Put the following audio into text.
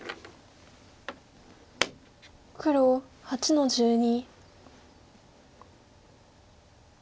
黒８の十二。